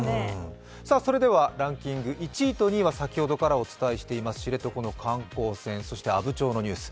それではランキング１位と２位は先ほどからお伝えしております知床の観光船、そして阿武町のニュース。